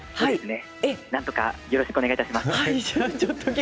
なんとかよろしくお願いします。